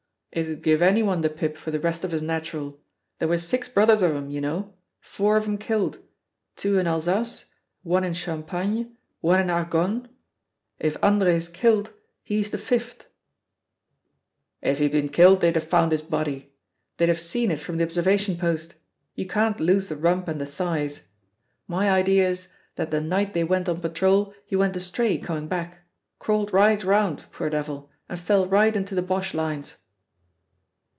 "It'd give any one the pip for the rest of his natural. There were six brothers of 'em, you know; four of 'em killed; two in Alsace, one in Champagne, one in Argonne. If Andre's killed he's the fifth." "If he'd been killed they'd have found his body they'd have seen it from the observation post; you can't lose the rump and the thighs. My idea is that the night they went on patrol he went astray coming back crawled right round, poor devil, and fell right into the Boche lines."